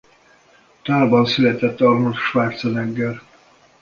Thalban született Arnold Schwarzenegger.